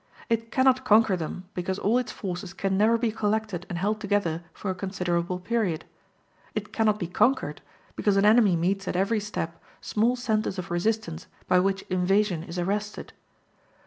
It cannot conquer them, because all its forces can never be collected and held together for a considerable period: it cannot be conquered, because an enemy meets at every step small centres of resistance by which invasion is arrested.